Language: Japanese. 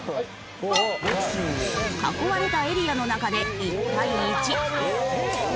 囲われたエリアの中で１対１。